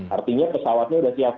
artinya pesawatnya sudah siap